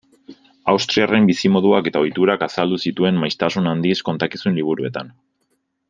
Austriarren bizimoduak eta ohiturak azaldu zituen maisutasun handiz kontakizun-liburuetan.